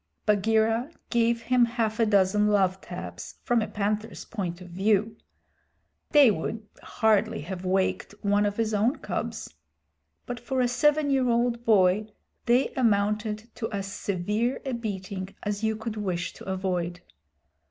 Bagheera gave him half a dozen love taps from a panther's point of view (they would hardly have waked one of his own cubs), but for a seven year old boy they amounted to as severe a beating as you could wish to avoid.